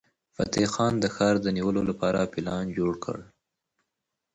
فتح خان د ښار د نیولو لپاره پلان جوړ کړ.